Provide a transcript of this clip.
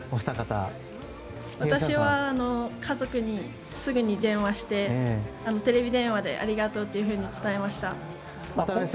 私は家族にすぐに電話してテレビ電話で、ありがとうって伝えました。